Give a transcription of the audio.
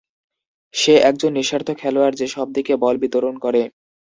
সে একজন নিঃস্বার্থ খেলোয়াড় যে সব দিকে বল বিতরণ করে।